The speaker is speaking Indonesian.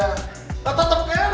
nah tetep kene